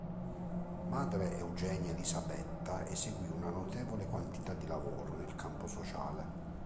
Madre Eugenia Elisabetta eseguì una notevole quantità di lavoro nel campo sociale.